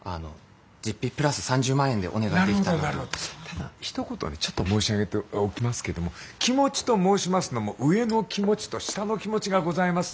ただひと言ちょっと申し上げておきますけども気持ちと申しますのも上の気持ちと下の気持ちがございますんでね。